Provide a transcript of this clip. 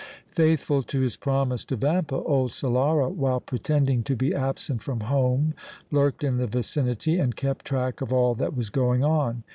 "Faithful to his promise to Vampa, old Solara, while pretending to be absent from home, lurked in the vicinity and kept track of all that was going on.